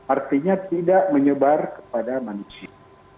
artinya tidak menyebar kepada manusia